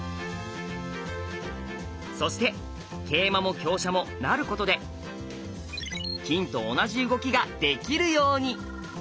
そして桂馬も香車も成ることで金と同じ動きができるように。